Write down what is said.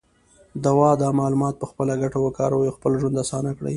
دوی دا معلومات په خپله ګټه وکاروي او خپل ژوند اسانه کړي.